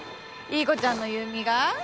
いい子ちゃんの優美が？